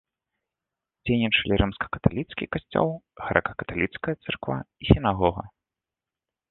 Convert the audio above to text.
Дзейнічалі рымска-каталіцкі касцёл, грэка-каталіцкая царква і сінагога.